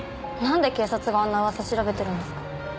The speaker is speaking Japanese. なんで警察があんな噂調べてるんですか？